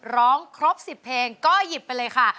ร้องครบ๑๐เพลงก็หยิบไปเลยค่ะ